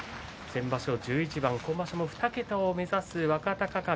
先場所１１番今場所も２桁を目指す若隆景。